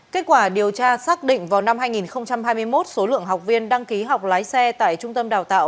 kết quả điều tra xác định vào năm hai nghìn hai mươi một số lượng học viên đăng ký học lái xe tại trung tâm đào tạo